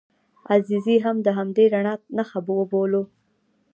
عزیزي هم د همدې رڼا نښه وبولو.